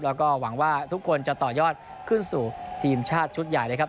แล้วก็หวังว่าทุกคนจะต่อยอดขึ้นสู่ทีมชาติชุดใหญ่นะครับ